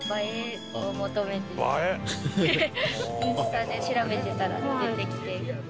インスタで調べてたら出てきて。